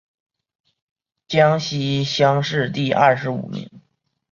江西乡试第二十五名。